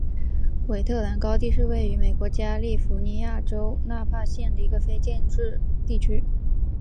韦特兰高地是位于美国加利福尼亚州纳帕县的一个非建制地区。